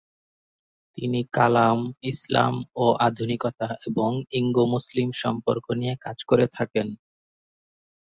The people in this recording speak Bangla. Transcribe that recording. তিনি কালাম, ইসলাম ও আধুনিকতা এবং ইঙ্গ-মুসলিম সম্পর্ক নিয়ে কাজ করে থাকেন।